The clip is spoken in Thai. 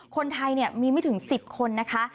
คนไทยมีไม่ถึง๑๐คนนะคะ